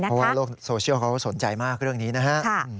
เพราะว่าโลกโซเชียลเขาสนใจมากเรื่องนี้นะฮะ